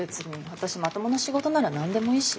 私まともな仕事なら何でもいいし。